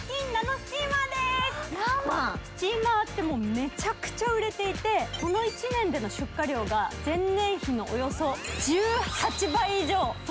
スチーマーってめちゃくちゃ売れていて、この１年での出荷量が出荷量が前年比のおよそ１８倍以上。